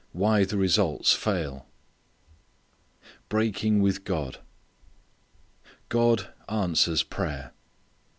Why the Results Fail Breaking with God. God answers prayer.